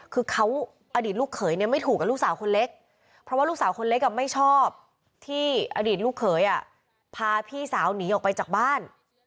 คือเขาอดีตลูกเขยเนี่ยไม่ถูกกับลูกสาวคนเล็กเพราะว่าลูกสาวคนเล็กไม่ชอบที่อดีตลูกเขยพาพี่สาวหนีออกไปจากบ้าน